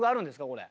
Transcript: これ。